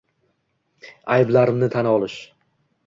ayblarimni tan olish